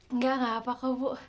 enggak enggak apa apa bu